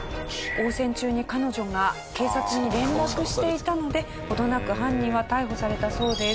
応戦中に彼女が警察に連絡していたので程なく犯人は逮捕されたそうです。